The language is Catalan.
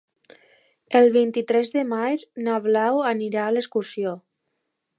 El vint-i-tres de maig na Blau anirà d'excursió.